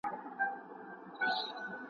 سدۍ سوې چي تربور یې په دښمن دی غلط کړی ,